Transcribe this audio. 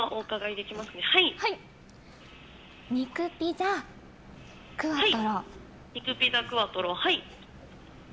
肉ピザクワトロ、はい。